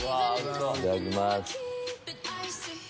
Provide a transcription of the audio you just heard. いただきます。